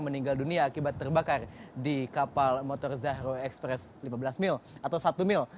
meninggal dunia akibat terbakar di kapal motor zahro express lima belas mil atau satu mil